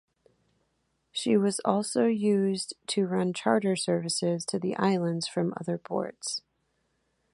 She was also used to run charter services to the Islands from other ports.